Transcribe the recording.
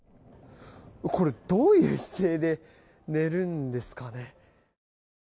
これ、どういう姿勢で寝るんですかね。